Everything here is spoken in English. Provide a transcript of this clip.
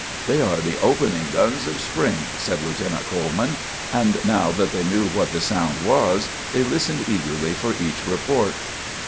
"They are the opening guns of spring," said Lieutenant Coleman; and now that they knew what the sound was, they listened eagerly for each report.